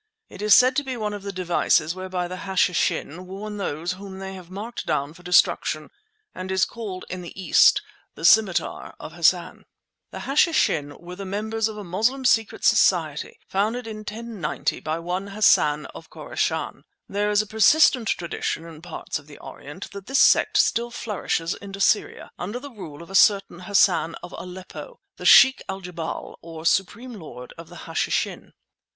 It is said to be one of the devices whereby the Hashishin warn those whom they have marked down for destruction, and is called, in the East, "The Scimitar of Hassan." The Hashishin were the members of a Moslem secret society, founded in 1090 by one Hassan of Khorassan. There is a persistent tradition in parts of the Orient that this sect still flourishes in Assyria, under the rule of a certain Hassan of Aleppo, the Sheikh al jebal, or supreme lord of the Hashishin.